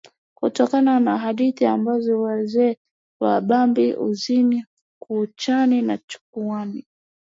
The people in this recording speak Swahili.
Kutokana na hadithi ambazo wazee wa Bambi, Uzini, Fukuchani, Chukwani.